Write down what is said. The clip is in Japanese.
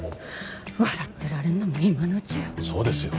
笑ってられるのも今のうちよ。